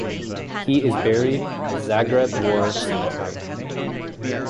He is buried at Zagreb War Cemetery.